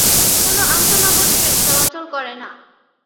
কোন আন্তঃনগর ট্রেন চলাচল করে না।